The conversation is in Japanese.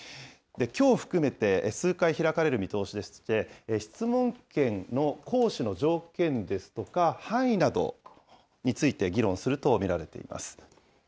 きょう含めて、数回開かれる見通しでして、質問権の行使の条件ですとか、範囲などについて、議論すると見られています。